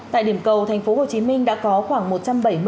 tại điểm cầu tp hcm đã có khoảng một trăm bảy mươi